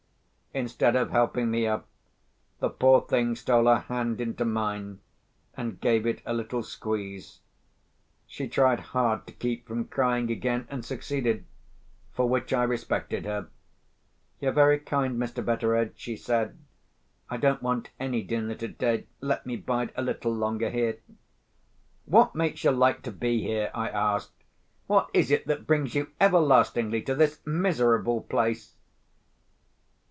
Instead of helping me up, the poor thing stole her hand into mine, and gave it a little squeeze. She tried hard to keep from crying again, and succeeded—for which I respected her. "You're very kind, Mr. Betteredge," she said. "I don't want any dinner today—let me bide a little longer here." "What makes you like to be here?" I asked. "What is it that brings you everlastingly to this miserable place?"